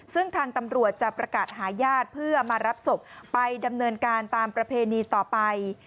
ซึ่งทางตำรวจจะประกาศหาญาติเพื่อมารับศพไปดำเนินการตามประเพณีต่อไป